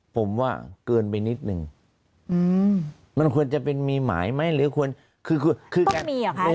ผมว่าเกินไปนิดนึงมันควรจะเป็นมีหมายไหม